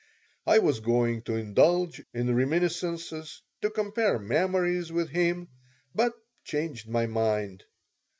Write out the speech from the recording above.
I was going to indulge in reminiscences, to compare memories with him, but changed my mind.